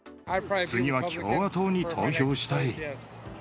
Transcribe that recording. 次は共和党に投票したい。